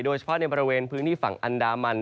โดยเฉพาะในบริเวณพื้นที่ฝั่งอันดามัน